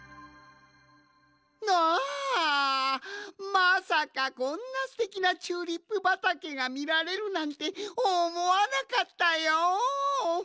まさかこんなすてきなチューリップばたけがみられるなんておもわなかったよん。